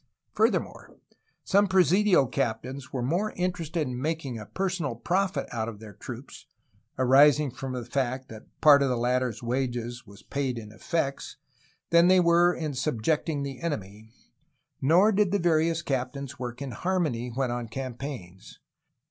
Furthermore, some presidial captains were more interested in making a personal profit out of their troops, arising from the fact that part of the latter' s wages was paid in effects, than they were in subjecting the enemy, nor did the various cap tains work in harmony when on campaigns.